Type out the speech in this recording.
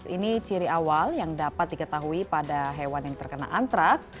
ini ciri awal yang dapat diketahui pada hewan yang terkena antraks